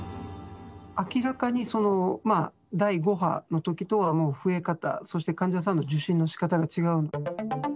明らかに第５波のときとはもう増え方、そして患者さんの受診のしかたが違うと。